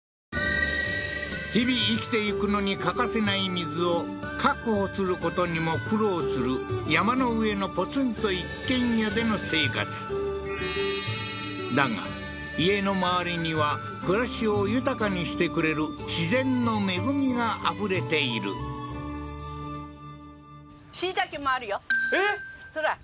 日々生きていくのに欠かせない水を確保することにも苦労する山の上のポツンと一軒家での生活だが家の周りには暮らしを豊かにしてくれる自然の恵みがあふれているえっ？